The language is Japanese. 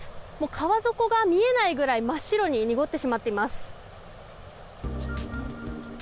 川底が見えないくらい真っ白に濁ってしまっています。